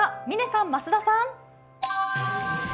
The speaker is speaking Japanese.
嶺さん、増田さん。